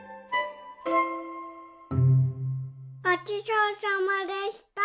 ごちそうさまでした。